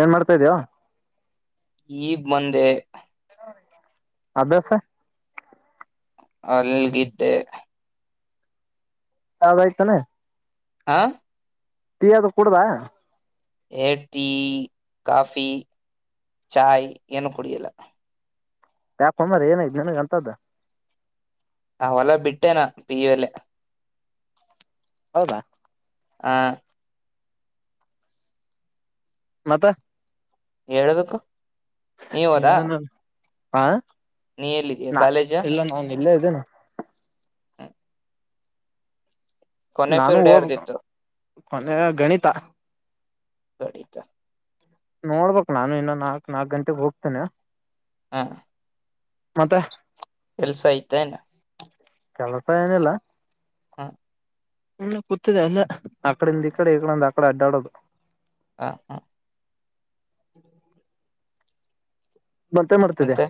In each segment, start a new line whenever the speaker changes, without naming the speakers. ಏನ್ ಮಾಡ್ತಾ ಇದೀಯೋ
ಈ ಬಂದೆ.
ಅದರ್ಸ.
ಅಲ್ಗಿದ್ದೆ.
ಚಾವ ಆಯ್ತಾನ.
ಆ
ಟಿ ಅದು ಕುಡದಾ
ಎಟೀ ಕಾಫಿ ಚಾಯ್ ಏನು ಕುಡಿಯಲ್ಲ
ಯಾಕೊ ಮಾರಾಯ ಏನ ನನಗ್ ಅಂತದ್ದ.
ಹ ಹೊಲ ಬಿಟ್ಟೇನಾ ಪಿ ಯು ಎಲೆ.
ಹೌದಾ..
ಹ.
ಮತ್ತ.
ಹೇಳ್ಬೇಕು.
ಹೇಳನು. ಆ
ನೀಲ್ಲಿದಿ ಕಾಲೇಜ.
ಇಲ್ಲೆ ಇದ್ದೇನ.
ಹ್ಮ್. ಕೊನೆ
ನಾನು
ಪೀರ್ಡ
ಹೋಗ್ಬೇಕು
ಹರ್ದಿತ್ತು.
ಕೊನೆಯ ಗಣಿತ.
ಗಡಿತ.
ನೋಡ್ಬಕ್ ನಾನು ಇನ್ನು ನಾಕ್ ನಾಕಕ್ ಗಂಟೆಗ್ ಹೋಗ್ತೇನೆ.
ಹ್ಮ.
ಮತ್ತೆ.
ಕೆಲ್ಸೈತೇನ
ಕೆಲಸ ಏನಿಲ್ಲ.
ಹಾ.
ಹ್ಮ ಕೂತಿದೆ ಅಲ್ಲ ಆಕಡಿಂದ ಈ ಕಡೆ ಈ ಕಡೆದ ಆಕಡೆ ಅಡ್ಡಾಡೋದು
ಹ ಹ ಮತ್ತೆ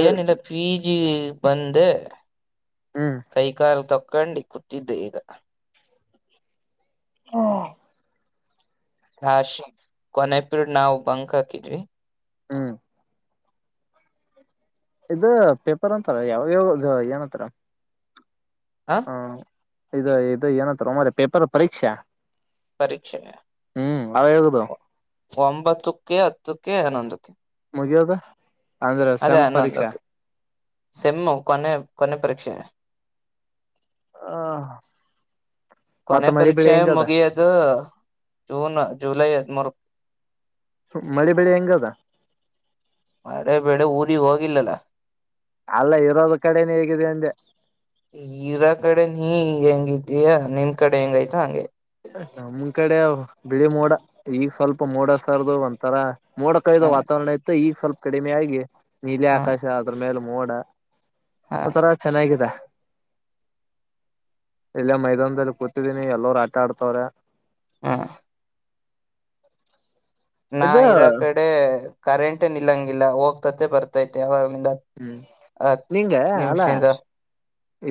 ಏನಿಲ್ಲ ಪೀಜಿ ಬಂದೆ
ಹ್ಮ್
ಕೈ ಕಾಲ್ ತ. ಕಂಡಿ ಕೂತ್ತಿದ್ದೆ ಈಗ.
ಹಾ.
ರಾಶ ಕೊನೆ ಬಿಡ್ ನಾವು ಬಂಕ್ ಹಾಕಿದ್ರವಿ.
ಹ್ಮ್. ಇ ಪೇಪರ್ ಅಂತಾರ ಯಾವಾಗ ಯಾವ ಏನತ್ತಾರ.
ಹಾ.
ಇದು ಇದು ಏನತ್ರ ಮ್ರೆ ಪೇಪರ್ ಪರೀಕ್ಷೆ.
ಪರೀಕ್ಷೆೆಗೆ.
ಹ್ಮ್ ಅವ ಹೇಗುದು.
ಒಂಬತ್ತಕ್ಕೆ ಹತ್ತಕ್ಕೆ ಹನ್ನೊಂದಕ್ಕೆ.
ಹಗೆದ. ಅಂದ್ರೆ ಸೆಂಪ್ ಪರೀಕ್ಷೆ.
ಸೆಮ್ಮ ಕೊ ಕೊನೆ ಪರೀಕ್ಷೆಯೆ.
ಹ.
ಕೊನೆ ಪರೀಕ್ಷೆ ಮುಗಿಯದು. June July ಮುರುಕ್.
ಸು ಮಳೆ ಬೆಳಿ ಹೆಂಗದ
ರಿ ಹೋಗಿಲ್ಲಲ್ಲ
ಅಲ್ಲ ಇರೋದ ಕಡೆನ ಹೇಗಿದೆ ಅಂದೆ
ಈರ ಕಡೆ ನೀ ಹೆಂಗಿದೀಯ ನಿಮ್ ಕಡೆ ಹೆಂಗಯ್ತಾ ಹಂಗೆ
ನಮ ಕಡೆ ಬಿಳಿ ಮೋಡ ಈಗ ಸ್ವಲ್ಪ ಮೂೋಡಸ್ತಾರ್ದು ಒಂಂತರ ಮೋಡ ಕಾಯ್ದ
ಹ
ವಾತಾವರಣ ಇತ್ತು ಈಗ ಸ್ವಲ್ಪ ಕಡಿಮೆ ಆಗೆ ನೀಲಿ
ಹ
ಆಕಾಶ ಅದ್ರ ಮೇಲೆ ಮೋಡ
ಹ
ಒ ತರ ಚೆನ್ನಾಗಾಗಿದೆ ಇಲ್ಲೇ ಮೈದಾನದಲ್ಲಿ ಕೂತಿದ್ದೀನಿ ಎಲ್ಲರು ಆ ಆಟಾಡ್ತವ್ರ
ಹಾ ನಾ
ಇದು
ಇರ ಕಡೆ ಕರೆಂಟಏ ನಿಲ್ಲಂಗಿಲ್ಲ ಹೋಗ್ತತೆ ಬರ್ತೈತಿತೆ ಅವಾಗ
ಹ್ಮ್ ನಿಂಗ ಅಲ
ನಿಮಿಷದಿಂದ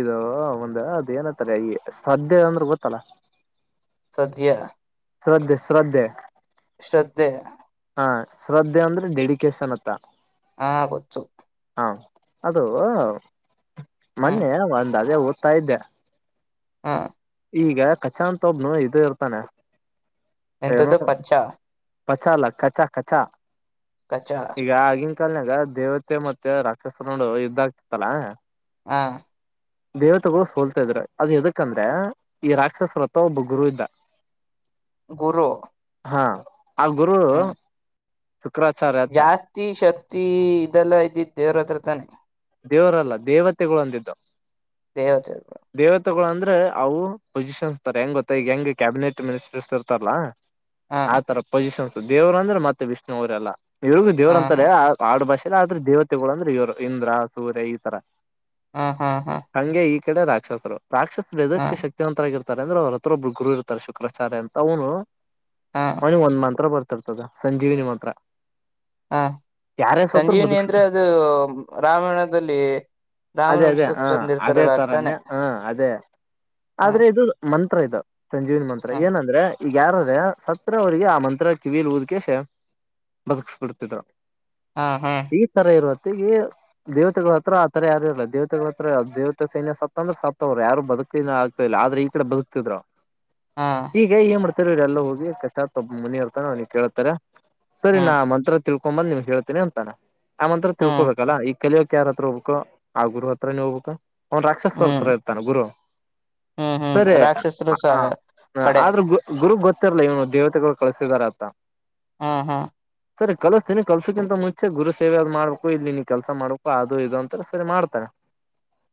ಇದು ಒಂದ ಅದು ಏನತ್ತಾರೆ ಅಯ ಸದ್ಯ ಅಂದ್ರೆ ಗೊತ್ತಲ್ಲ
ಸದ್ಯ
ಶ್ರದ್ಧೆ ಶ್ರದ್ಧೆ
ಶ್ರದ್ಧೆ
ಹಾ ಶ್ರದ್ಧೆ ಅಂದ್ರೆ ಡೆಡಿಕೇಶನ್ ಅತ್ತ
ಹ ಕೊಚ್ಚು
ಹಾ ಅದು
ಹ್ಮ್
ಮೊನ್ನೆ ಒಂದ್ ಅದೇ ಆರ್ತ ಇದ್ದೆ
ಹಾ
ಈಗ ಕಖಚಾತ್ ಒಬ್ನು ಇದು ಇರ್ತಾನೆ
ಎಂಥದ್ದು ಪಚ್ಚ
ಪಚಾ ಅಲ್ಲ ಕಚಾ ಕಚಾ
ಕಚ
ಈಗಾಗಿ ಕಲ್ಯಾಗ ದೇವತೆ ಮತ್ತೆ ರಾಕ್ಷಸನೋಡು ಯುದ್ಧ ಇದಾಗ್ತಿತ್ತಲಾ
ಹಾ
ದೇವತೆಗಳು ಸೋಲ್ತಾ ಇದರು ಅದು ಎದಕಂದ್ರೆ ಈ ರಾಕ್ಷಸ ರಥ ಒಬ್ಬ ಗುರು ಇದ್ದ
ಗುರು
ಹಾ ಆ ಗುರು
ಹ್ಮ್
ಶುಕ್ರಾಚಾರ್ಯ ಅಂತ
ಜಾಸ್ತಿ ಶತ್ [unintelligible] ಇದೆಲ್ಲಾ ಇದ್ದಿದ್ದ ದೇವ್ರ ಹತ್ರ ತಾನೆ
ದೇವರಲ್ಲ ದೇವತೆಗಳು ಅಂದಿದ್ದವು
ದೇವತೆ
ದೇವತೆಗಳು ಅಂದ್ರೆ ಅಂದ್ರೆ ಅವು ಪೊಸಿಷನ್ಸ್ ತಾರೆ ಹೆಂಗ್ ಗೊತ್ತಾ ಈಗ ಹೆಂಗ್ ಕ್ಯಾಬಿನೆಟ್ ಮಿನಿಸ್ಟರ್ಸ್ ಇರ್ತಾರಾ
ಹಾ
ಆತರ ಪೊಸಿಷನ್ ದೇವ್ ಅಂದ್ರೆ ಮತ್ತೆ ವಿಷ್ಣು ಅವ್ರರೆಲ್ಲ ಇವ್ರಗೂ ದೇವ್ರ
ಹಾ
ಅಂತ
ಹಾ
ಅೇ ಆಡು ಭಾಷೆ ಇಲ್ಲ ಆದ್ರೆ ದೇವತೆಗಳು ಅಂದ್ರೆ ಇವರು ಇಂದ್ರ ಸೂರ್ಯ ಈ ತರ
ಹಾ ಹಾ ಹಾ
ಹಂಗೆ ಈ ಕಡೆ ರಾಕ್ಷಸರು ರಾಕ್ಷಸ
ಹಾ
ಎದಕ್ಕೆ ಶಕ್ತಿವಂತರಗರುತ್ತೆ ಇರ್ತಾರೆ ಅಂದ್ರೆ ಅವ್ರ ಹತ್ರೊಬ್ರು ಗುರು ಇರ್ತಾರೆ ಶುಕ್ರಾಾರ್ಯ ಅಂತ ಅವನು
ಹಾ
ಅವನಿಗೆ ಒಂದ್ ಮಾಂತ್ರ ಬರ್ತ ರ್ತದ ಸಂಜೀವಿನಿ ಮಂತ್ರ
ಹಾ
ಯಾರೇ ಸತ್ರು
ಸಂಜೀವನಿ
ಬದುಕ್ಸ
ಅಂದ್ರೆ ಅದು ರ
ಅದೇ ಅದೇ ಹಾ ಅದೇ
ತಂದಿರ್ತಾರಲ್ಲ ಅದಾನೆ
ತರನೇ ಹಾ ಅದೇ
ಹಾ
ಆದ್ರೆ ಇದು ಮ ಅತ್ರ ಇದು ಸಂಜೀವಿನ ಮಂತ್ರ
ಹಾ
ಏನಂದ್ರೆ ಈಗ ಯಾರ್ರೆ ಸತ್ರ ಅವಿಗೆ ಆ ಮಂತ್ರ ಕಿವಿಲ್ ಊದ್ಕಸ ಬದುಕಸ್ ಬಿಿಡ್ತಿದ್ರು
ಹಾ ಹಾ
ಈ ತರ ಇರುವದು [unintelligible] ದೇವತೆಗಳ ಹತ್ರ ಆತರ ಯಾರೂ ಇಲ್ಲ ದೇವತೆಗಳ ಹತ್ರ ದೇವತೆ ಸೈನ್ಯ ಸತ್ತ ಅಂದ್ರೆ ಸತ್ತವ್ರರು ಯಾರು ಬದುಕಿನ ಆಗ್ತ ಇಲ್ಲ ಆದ್ರೆ ಈ ಕಡೆ ಬದುಕ್ತಿದ್ರು ಈಗ ಏನ್ ಮಾಡ ಹ ಎಲ್ಲ ಹೋಗಿ ಕಸಾತ್ ಒಬ್ಬ ಮನಿ ಇರ್ತಾನ ಅವ್ನಿಗೆ ಕೇಳ್ತಾರೆ ಸರಿ
ಹಾ
ನ
ಹ್ಮ್
ಮಂತ್ರ ತಿಳ್ಕೊಂಬ ಬಂದು ನಿಮ್ಗೆ ಹೇಳ್ತೇಿ ಅಂತಾನ ಆ ಮಂತ್ರ
ಹ್ಮ್
ತಿಳ್ಕೋಬೇಕಲ್ಲಾ ಈಗ ಕಲಿಯಕ್ ಯಾರ ಹತ್ರ ಹೋಗ್ಬೇಕು ಆ ಗುರು ಹತ್ರ ನೆ ಹೋಗಬೇಕು ಅವನ್ ರಾಕ್ಷಸರ
ಹ್ಮ್
ಹತ್ರ ಇರ್ತಾನ ಗುರು
ಹ್ಮ್ ಹ್ಮ್
ಸರಿ
ರಾಕ್ಷಸರು ಸ
ಹ
ಕಡೆ
ಆದ್ರೂ ಗು ಗುರು ಗೊತ್ತ ಇರ್ಲಲ್ಲ ಇವನು ದೇವತೆಗಳು ಕಳಸಿದಾರ ಅಂತ
ಹ್ಮ ಹಾ
ಸರಿ ಕಲ್ಸ್ತೀನಿ ಕಲ್ಸಕಿಂತ ಮುಂಚೆ ಗುರು ಸೇವೆ ಮಾಡಬೇಕು ಇಲ್ಲಿ ನೀ ಕೆಲಸ ಮಾಡ್ಬೇಕು ಅಪ್ಪಾ ಅದು ಇದು ಅಂತ ಸರಿ ಮಾಡ್ತಾರೆ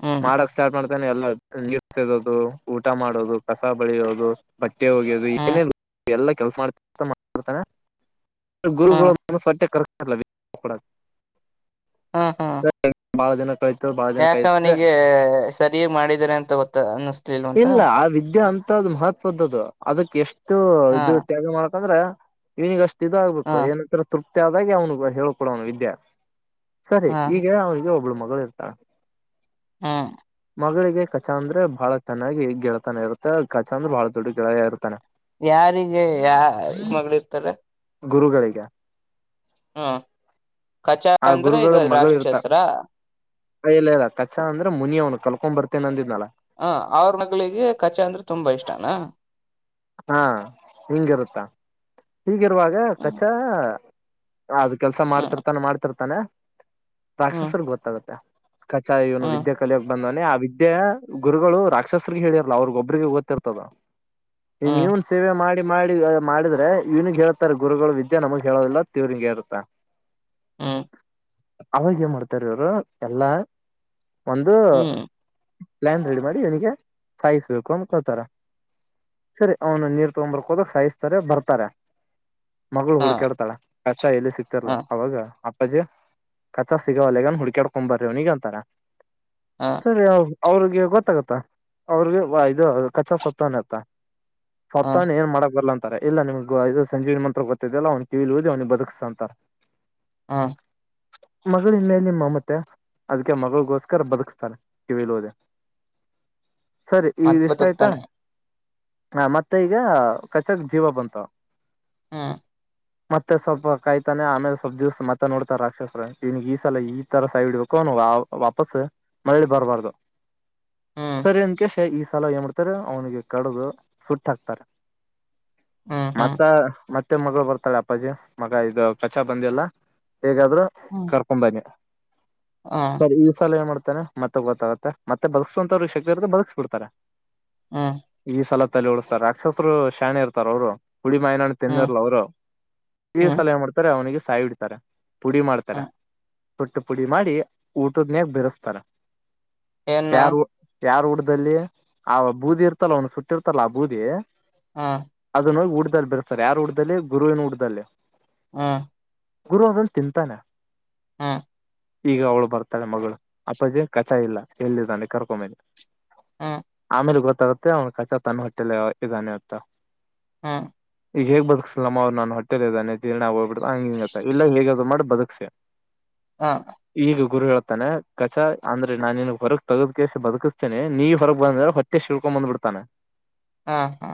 ಹ್ಮ್
ಮಾಡಕ್ ಸ್ಟಾರ್ಟ್ ಮಾಡ ಎಲ್ಲ ನೀರು ಸೇಡೋದು ಊಟ ಮಾಡೋದು ಕಸ ಬಳಿಯೋದು ಬಟ್ಟೆ ಹೋಗಿಯೋದು ಏನೇ
ಹ್ಮ್
ಇದ್ರೂ ಎಲ್ಲ ಕೆಲ್ಸ ಮಾಡ್ತಡ್ತಾನ. ಗುರುಗಳು
ಹ್ಮ್
ಮನ [unintelligible] ಕರ್. [unintelligible]
ಹಾ ಹಾ.
ಬಾಳ ದಿನ [unintelligible]
ಯಾಕ
ಕಳಿತದೆ
ಅವನಿಗೆ ಸರಿ ಮಾಡಿದ್ರ ಅಂತ ಗೊತ್ತ. ಅನ್ಸುತ್ತ
ಇಲ್ಲ ಆ ವಿದ್ಯ ಅಂತ. ಮಹತ್ವದ್ದು ಅದಕ್ಕೆ ಎಷ್ಟು. ಎಸ್ಟು
ಹಾ
ಇದು ತ್ಯಾಗ ಮಾಡ. ಯಾಂದ್ರೆ ಇವನಿಗಷ್ಟು. ಇದಾಗ್ಬೇಕು
ಹಾ
ಏನತ್ರ ತ್ರು ಪ್ತಿ ಆದಾಗಿ ಅವ್ನು ಹ ಹೇಳಳ್ಕೊಡೋವನು ವಿದ್ಯ. ಸರಿ
ಹಾ
ಈಗ ಅವಿಗೆ ಒಬ್ಳು ಮಕ್ಕ. ಇರ್ತ.
ಹ್ಮ.
ಮಗಳಿಗೆ ಕಚಾ ಅಂದ್ರೆ ಬಹಳ ಚೆನ್ನಾಗಿ ಗೆಳತನ ಇರುತ್ತೆ ಕಚ ಅಂದ್ರೆ ಬಹಳ ದೊಡ್ಡ ಗೆಳಯ ಇರ್ತಾನೆ.
ಯಾರಿಗೆ ಯ ಮಗಳ ಇರ್ತಾರೆ
ಗುರುಗಳಿಗೆ.
ಹಾ.
ಆ ಗುರುಗಳ ಮಗಳು ಇರ್ತ ಇಲ್ಲ ಇಲ್ಲ ಕಛಾ ಅಂದ್ರೆ ಮುನಿಯ ಅವ್ನ ಕಲ್ಕೊಂಡ್ ಬರ್ತ. [unintelligible] ಅಂದಿದ್ನಲ್ಲ
ಹ ಅವ್ರ ಮಕ್ಳಿಗೆ ಕಛಾ ಅಂದ್ರೆ ತುಂಬಾ ಇಷ್ಟನಾ.
ಹಾ ಹಿಂಗಿರುತ್ತಾ. ಹೀಗಿರುವಾಗ
ಹ್ಮ್
ಕಚಾ. ಅದು ಕೆಲ್ಸ
ಹ್ಮ್
ಮಾಡ್ತಿರ್ತಾನೆ ಮಾಡ್ತಿರ್ತ. ತಾನ.
ಹ್ಮ್
ರಾಕ್ಷಸರ ಗೊತ್ತಾಗುತ್ತೆ. ಕಚಾಯ ಇವನು
ಹ್ಮ್
ವಿದ್ಯಾ ಕಲಿಯೋಗ ಬಂದ. ಮ ಆ ವಿದ್ಯ ಗುರುಗಳು ರಾಕ್ಷಸರಿಗೆ ಹೇಳಿರ್ಲ ಅವ್ರಗೊಬ್ಬ್ರಿಗೆ ಗೊತ್ತತಿರ್ತದ. ಇನ್
ಹ್ಮ್
ಇವನ್ ಸೇವೆ ಮಾಡಿ. ಮಾಡಿ ಮಾಡಿದ್ರೆ ಇವನಗ್ ಹ ಹೇಳತಾರೆ ಗುರುಗಳು ವಿದ್ಯೆ ನಮಗ್ ಹೇಳೋದಿಲ್ಲ ತಿವ್ರಿಂ ಇರುತ್ತೆ.
ಹಾ.
ಅವಾಗ ಏ ಮಾಡ್ತಾರ ಇವ್ರು ಎಲ್ಲಾ. ಒಂದು.
ಹ್ಮ್
ಪ್ಯಾನ್ ರೆಡಿ ಮಾಡಿ ಅವನಿಗೆ ಸಾಯಿಸ್ಬೇಕು ಮತ್ತ ಆ ತರ ಸರಿ ಅವ್ನು ನೀರ್ ತಗೊರ್ಕ್ ಹೋದಕ್ ಸಾಯಿಸ್ತಾರೆ ಬರ್ತಾರೆ ಮ
ಹಾ
ಹುಡ್ಕಾಡ್ತಾಳ ಕಚ್ಚ ಎಲ್ಲಿ ಸಿಕ್ತಿರ್ಲಾ
ಹಾ
ಅವಾಗ ಅ ಕಚಾ ಸಿಗವಲ್ಲಗ ಹುಡ್ಕಾಡ್ಕೊ್ ಬರ್ರಿ ಅವ್ನ ಈಗ ಅಂತಾರ
ಹಾ
ಸರಿ ಹೌದು ಅವ್ರಿಗೆ ಗೊತ್ತಾಗತ್ತಾ ಅವ್ರಿಗೆ ಇದು ಕಚ್ಚಾ ಸತ್ನವ್ನೆ ಅಂತ
ಹಾ
ಸತ್ತಾನ ಏನ್ ಮಾಡಕ್ ಬರ್ಲ್ಲ ಅಂತ ಇಲ್ಲ ನಿಮ್ಗ ಇದು ಸಂಜೀವನ ಮಂತ್ರ ಗೊತ್ತಿದಲ್ಲ ಅವ್ನಿಗಿ ಕಿವಿಗಿವುದಿಬದುಕಸ್ಂತಾರೆ
ಹಾ
ಮಗಳ ಮೇಲೆ ಮಮತೆ ಅದ್ಕ್ಕೆ ಮಗಳಗೋಸ್ಕರ ಬದುಕ್ಸ್ತಾರೆ ಕಿವಲೋದೆೇ ಸರಿ
ಮತ್
ಈಗ ಇಷ್ಟತ ಆಯ್ತಾ
ಬತೋಗ್ತಾನೆ
ಹ ಮತ್ತೆ ಈಗ ಕಚಕ್ ಜೀವ ಬಂತಾವ
ಹಾ
ಮತ್ತೆ ಸ್ವಲ್ಪ ಕಾಯ್ತಾನೆ ಆಮೇಲೆ ಸ್ವಲ್ಪ ದಿವ್ಸ ಮತ್ತ ನೋಡ್ತಾರ ರಾಕ್ಷಸರ ಇವನಿಗಿ ಈ ಸಲ ಈ ತರ ಸಹಿಇಡ್ಬೇಕು ವಾಪಸ್ ಮರಳಿ ಬರ್ಬಾರ್ದು
ಹ್ಮ್
ಸರಿ ಅನ್ ಕೆಷ ಈ ಸಲ ಏನ್ ಮಾಡ್ತಾರೆ ಅವನಿಗೆ ಕಡದುು ಸುಟ್ಟ ಹಾಕ್ತಾರೆ
ಹ್ಮ್ ಹ್ಮ್
ಮತ್ತ ಮತ್ತ ಮತ್ತೆ ಮಗಳು ಬರ್ತಾಳೆ ಅಪ್ಪಾಜಿ ಮಗ ಇದು ಕಚಾ ಬಂದಲ್ಲ ಹೇಗಾದ್ರೂ
ಹ್ಮ್
ಕರ್ಕೊಂಬನ್ನಿ
ಹ್ಮ್
ಸರಿ ಈ ಸಲ ಏನ್ ಮಾಡ್ತ ಮತ್ತೆ ಗೊತ್ತಾಗತ್ತೆತ್ತೆ ಬಗಸ್ಸಂತವ್ರು ಶಕ್ತಿ ಇರುತ್ತೆ ಬಗ್ಸ್ ಬಿಡ್ತಾರೆ
ಹಾ
ಈ ಸಲ ತಲೆ ಉಳಸ್ತಾರೆ ಅಕ್ಷತ್ರರು ಶಾನೆ ಇರ್ತಾರ ಅವರು ಹುಡಿ ಮಾಯನ್ಣ
ಹ್ಮ್
ತಿನ್ನಿರ್ಲ ಅವ್ರು ಈ
ಹ್ಮ್
ಸಲ ಮಾಡ್ತಾರೆ ಅವನಿಗೆ ಕೈಹೊಡೀತಾರೆ ಪುಡಿ ಮಾಡ್ತಾರ
ಹ್ಮ್
ತೊಟ್ಟು ಪುಡಿ ಮಾಡಿ ಊಟದ್ನಯಾಗ ಬೆರೆಸ್ತಾರ
ಏನ್ ನಾ
ಯಾರು ಯಾರ್ ಊಟದಲ್ಲಿ ಆ ಬೂದಿ ಇರ್ ಇತ್ತಲ್ಲ ಅವ್ನು ಸುಟ್ಟಿರ್ತಲ್ಲ ಆ ಬೂದಿ
ಹಾ
ಹಊಡ್ದದಲ್ಲಿ ಬರ್ತಾರೆ ಯಾರುಡ್ದದಲ್ಲಿ ಗುರುವಿನ ಹಊಡ್ದದಲ್ಲಿ
ಹಾ
ಗುರು ಅದನ್ನು ತಿಂತಾನೆ
ಹಾ
ಈಗ ಅವಳು ಬರ್ತಾಳೆ ಮಗಳು ಅಪ್ಪಾಜೆ ಕಚಾಯ ಇಲ್ಲ ಎಲ್ಲಿದ್ದಾನೆ ಕರ್ಕೊ ಮೇನೆ
ಹ್ಮ್
ಆಮೇಲೆ ಗೊತ್ ತೆ ಕಾಚ ತಂನ್ ವಟ್ಟೆಲೆ ಇದಾನೆ ಅಂಥಾ
ಹ್ಮ್
ಈಗೇಗ್ ಬದುಕಿಸಿ ನಮ್ಮ್ ನು ಹೊಟ್ಟೆಲ್ಲ ಇದಾನ ಜೀರ್ಣ ಹೋಗಬಿ ಹ ಹಿಂಗ ಇಲ್ಲ ಹೇಗ ಮಾಡ ಬದುಕ್ಸ
ಹಾ
ಈಗ ಗುರು ಹೇಳ್ ಾನೆ ಕಚಾ ಅಂದ್ರೆ ನಾನ ನಿನ್ ಹೊರಗ್ ತಗೋದಕಸ ಬದುಕಿಸ್ತೇನೆ ನೀ ಹೊರಗ್ ಬಂದ್ರೆ ಹೊಟ್ಟೆ ಶಳ್ಕೊ ಬಂದ್ ಬಿಡ್ ತಾನ
ಹೂ ಹೂ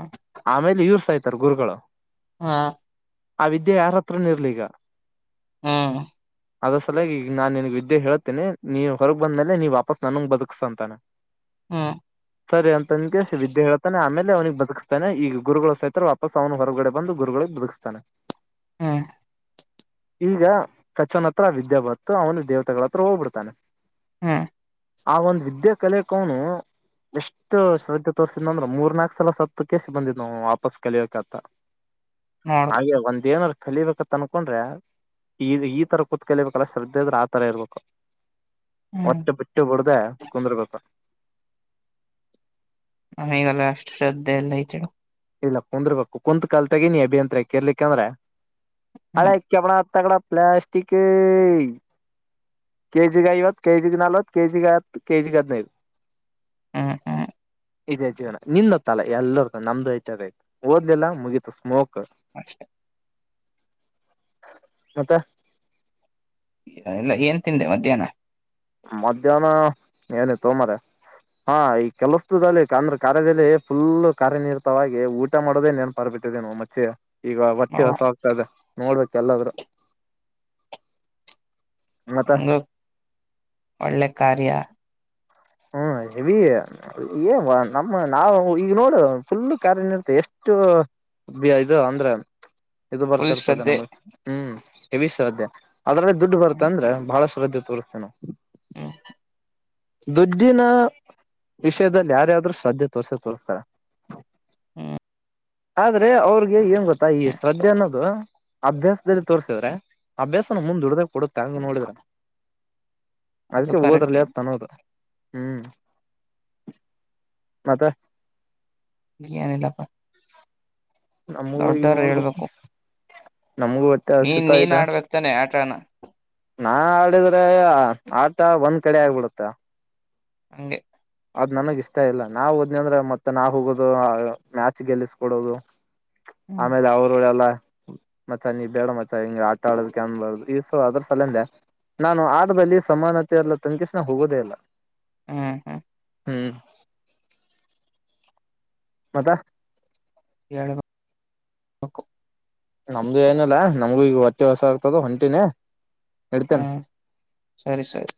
ತರ್ಗುರುಗಳು
ಹೂ
ಆ ವಿದ್ಯೆ ಯಾರತ್ರನ ಇರ್ಲಿ ಈಗ
ಹ್ಮ್
ಅದ್ರ ಸಲಯಾಗಿ ಈಗ ನಾನ್ ನಿನ್ಗ್ ವಿದ್ಯೆ ಹೇತೇನೆ ನೀ ಹೊರಗ್ ಬಂದ್ಮೇಲೆ ನೀವ ವಾಪಸ್ ನನಗ್ ಬದುಕ್ಸ ಅಂತಾನ
ಹ್ಮ್
ಸರಿ ಅಂತ ನಿಂಗೆ ಹೇಳ್ತಾನೆ ಆಮೇಲೆ ಅವನಿಗೆ ಬದುಕಸ್ತಾನೆ ಈಗ ಗುರುಗಳು ಸಹಿತರ ವಾಪಸ್ ಅವನ ಹೊರಗಡೆ ಬಂದು ಗುರುಗಳಿಗೆಗ್ ಬದುಕ್ಸ್ತಾನೆ
ಹ್ಮ್
ಈಗ ಕಚ್ಚನ ಹತ್ರ ವಿದ್ಯಾಭತ್ತು ಅವನು ದೇವತೆಗಳ ಹತ್ರ ಹೋಗ್ಬಿಡ್ತಾನೆ
ಹ್ಮ್
ಆ ಒಂದು್ ವಿದ್ಯಾ ಕಲಿಕೋನು ಎಷ್ಟು ಶ ೋರ್ಸಿದ್ ಅಂದ್ರೆ ಮೂರ್ ನನಾಲ್ಕಕ್ ಸಲ ಸತ್ತು ಕಸಿ ಬಂದಿದ ನವು ವಾಪಸ್ ಕಲಿಯಬೇಕಕ್ಂತ
ನೋಡು
ಹಾಗೆ ಒಂದ್ ಏನಾರ ಕಲಿಬೇಕತ್ತ ಅನ್ಕೊಂಡ್ರೆ ಈ ಈ ತರ ಕುೂತ್ ಕಲಿಬೇಕಲ್ಲ ಶ್ರದ್ಧೆ ಆದ್ರೆ ಆತರ ಇರ್ಬೇಕು
ಹ್ಮ್
ಮಟ್ಟೆ ಬಿಟ್ಟು ಬಿಡ್ದ ಕುಂಡರುಬೇಕ್
ಹ ಈಗಲ್ಲ ಅಷ್ಟು ಶ್ರದ್ಧೆ ಎಲ್ಲ ಇತೆಳು
ಇಲ್ಲ ಕುಂದರ್ಬೇಕು ಕುಂತ್ ಕಾಲ ತಗ ನೀಿ ಅಭಿಯಂತರ ಕೇರ್ಲಿಕ್ಕ ಅಂದ್ರ ಹಳೆ
ಹ್ಮ್
ಕೆವಳ ತಗಡ ಪ್ಲಾಸ್ಟಿಕ್ ಕೆಜಿಿಗೆ ಐವತ್ತು ಕೆಜಿಿಗೆ ನಲ್ವತ್ತು ಕೆಜಿಿಗೆ ಹತ್ತು ಕೆಜಿಿಗೆ ಹದ್ಿನೈದು
ಹ್ಮ್ ಹ್ಮ್
ಇದೇ ಜೀವನ ನಿಂದತ್ತಲ್ಲ ಎಲ್ಲರ ನಮ್ದು ಓದ್ಲಿಲ್ಲ ಮುಗಿತು ಸ್ಮೋಕ್
ಮಷ್ಟೆ
ಮತ್ತ
ಇಲ್ಲ ಏನ್ ತಿಂದೆ ಮಧ್ಯಾಹ್ನ
ಮಧ್ಯಾಹ್ನ ಏನ ತೋಮರೆ ಹಾ ಈ ಕೆಲಸದಲ್ಲಿ ಅಂದ್ರೆ ಕಾರ್ಯದಲ್ಲಿ ಫುಲ್ ಕಾರ್ಯನಿರತವಾಗಿ ಊಟ ಮಾಡೋದೇ ನೇನ್ ಪರ್ಬಿಟ್ಟಿದ್ದೀನು ಮಚ್ಚೆ ಈಗ
ಓ
ಬಟ್ಟೆ ಹೊಸ ಹೋಗ್ತದೆ ನೋಡ್ಬೇಕ ಎಲ್ಲಾದ್ರೂ ಮತ
ಹೆಂಗೋ ಒಳ್ಳೆ ಕಾರ್ಯ
ಹ್ಮ್ ಹೆವಿ ನಮ್ಮ ನಾವು ಈಗ ನೋಡು ಫುಲ್ು ಕಾರ್ಯ ನಿರತ ಎಷ್ಟು ಇದು ಅಂದ್ರೆ ಇದು
ಫುಲ್
ಬರ್ತಿರ್ತದೆ
ಶ್ರದ್ಧೆ
ನಮಗ್ ಹ್ಮ್. ಬಿ ಸ ಅದ. ಅದರಲ್ಲಿ ದುಡ್ಡು ಬರುತ್ತೆ
ಹ್ಮ್
ಅಂದ್ರ ಬಹಳಷ್ಟ. ಸ ತತನ.
ಹ್ಮ್
ದುಡ್ಡಿನ ವಿಷಯದಲ್ಲಿ ಯಾರ್ಯಾದ್ರರು ಶ್ರದ್ಧೆ ತೋರ್ಸ ತೋರ್ತ.
ಹ್ಮ.
ಆದ್ರೆ ಅವ್ರಿಗೆ ಏನ್ ಗೊತ್ತಾ ಈ ಶ್ರದ್ಧೆ ಅನ್ನೋದು ಅಭ್ಯಾಸದಲ್ಲಿ ತೋರ್ಸಿದ್ರೆ ಅಭ್ಯಾಸನ ಮುಂದ್ ದುಡ್ದಾಗ ಕೊಡುತ್ತೆ ಹಂಗ ನೋಡಿದ್ರ.
ಅದು
ಅದಕ್ಕೆ ಹೋದ್ರಲ್ಲಿ
ಕರೆಕ್ಟೆ
ಹರ್ತಾನೋದು. ಹ್ಮ್ ಮತ್ತೆ.
ಜಿ ಅನಲ್ಲಫಾ.
ನಮ್ಮಗ ಈಗ ನೋಡ್ಬೇಕು. ನಮಗು ಒಟ್ಟೆ
ನೀನ್
ಆಸತ
ನೀನ್
ಆಯ್ತ
ಆಡ್ಬೇಕ್ ತಾನೆ ಆಟನ
ನಾ ಆಡಿದ್ರೆ. ಆತ ಒಂದ್ ಕಡೆ ಆಗ್ಬಿಡುತ್ತ.
ಹಗೆ.
ಅದ್ ನನಗ್ ಇಷ್ಟ ಇಲ್ಲ ನಾವ್ ಹೋದ್ನ ಅಂದ್ರೆ ಮತ್ತೆ ನಾವ್ ಹೋಗೋದು ಮ್ಯಾಚ್ ಗೆಲ್ಲಿಸಕೊಡೋದು.
ಹ್ಮ್
ಆಮೇಲೆ ಅವರು ಎಲ್ಲ. ಹ್ಮ. ಮಚ ನೀ ಬೇಡ ಮಚ ಹೆಿಂಗ ಆಟ ಆಡೋಕ್ಕೆ ಬ್ದದು ಈಸ ಅದ್ರ ಸಲಂದೆ ನಾನು ಆಟದಲ್ಲಿ ಸಮಾನತೆ ಎಲ್ಲ ತನ್ಕಸನ ಹೋಗೋದೇ ಇಲ್ಲ.
ಹ್ಮ ಹಾ.
ಹ್ಮ್. ಮತ.
ಳು.
ನಮ್ದು ಏನಲ್ಲಾ ನಮ್ಗೂ ಈಗ ಹೊಟ್ಟೆ ಹೊಸ ಆಗ್ತದ ಹೊಂಟಿನೇ. ಇಡ್ತೇನೆ
ಹಾ ಸರಿ ಸರಿ.